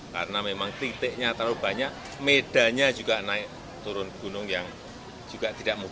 karena memang titiknya terlalu banyak medanya juga naik turun gunung yang juga tidak mudah